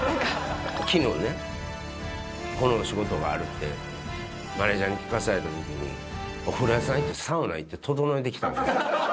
きのうね、この仕事があるって、マネージャーに聞かされたときに、お風呂屋さん行って、サウナ行って整えてきた。